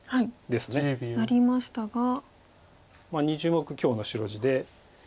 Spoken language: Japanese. ２０目強の白地で。